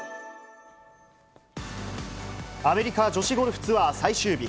アメリカ女子ゴルフツアー最終日。